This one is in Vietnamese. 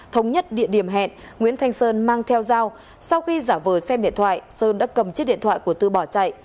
thống nhất địa điểm hẹn nguyễn thanh sơn mang theo dao sau khi giả vờ xem điện thoại sơn đã cầm chiếc điện thoại của tư bỏ chạy